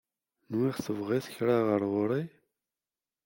Nwiɣ tebɣiḍ kra ɣer ɣur-i?